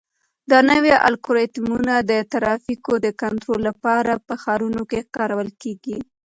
دا نوي الګوریتمونه د ترافیکو د کنټرول لپاره په ښارونو کې کارول کیږي.